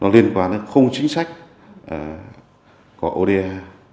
liên quan đến khung chính sách của oda